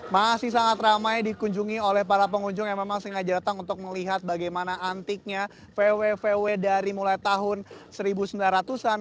masih sangat ramai dikunjungi oleh para pengunjung yang memang sengaja datang untuk melihat bagaimana antiknya vw vw dari mulai tahun seribu sembilan ratus an